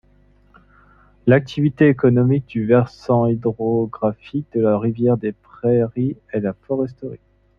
L’activité économique du versant hydrographique de la rivière des Prairies est la foresterie.